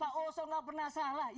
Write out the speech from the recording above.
pak oso gak pernah salah